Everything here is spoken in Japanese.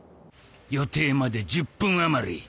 予定まで１０分余り。